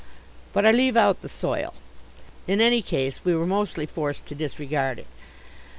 But I leave out the soil. In any case we were mostly forced to disregard it.